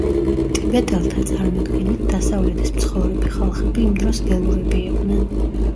ტიბეტელთა წარმოდგენით დასავლეთის მცხოვრები ხალხები იმ დროს ველურები იყვნენ.